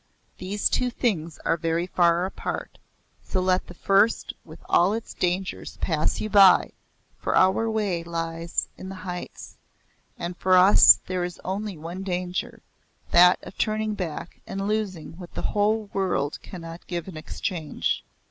These two things are very far apart, so let the first with all its dangers pass you by, for our way lies to the heights, and for us there is only one danger that of turning back and losing what the whole world cannot give in exchange.